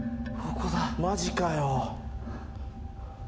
マジかよ。